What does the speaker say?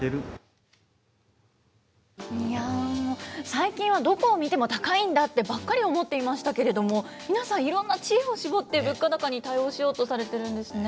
最近はどこを見ても、高いんだってばっかり思ってましたけれども、皆さんいろんな知恵を絞って、物価高に対応しようとされてるんですね。